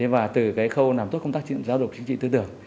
và từ cái khâu làm tốt công tác giáo dục chính trị tư tưởng